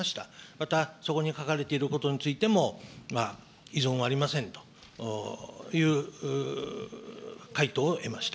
また、そこに書かれていることについても、異存はありませんという回答を得ました。